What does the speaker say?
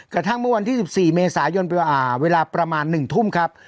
กระทั่งเมื่อวันที่สิบสี่เมษายนไปว่าอ่าเวลาประมาณหนึ่งทุ่มครับ